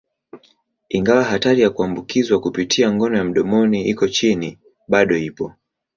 Ingawa hatari ya kuambukizwa kupitia ngono ya mdomoni iko chini, bado ipo.